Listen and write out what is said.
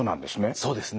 そうですね。